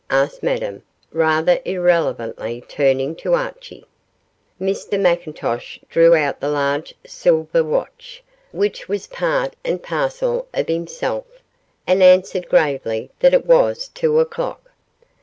asked Madame, rather irrelevantly, turning to Archie. Mr McIntosh drew out the large silver watch, which was part and parcel of himself, and answered gravely that it was two o'clock.